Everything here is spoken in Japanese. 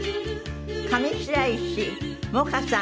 上白石萌歌さん